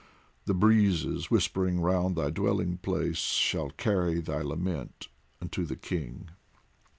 The breezes whispering round thy dwelling place Shall carry thy lament unto the King.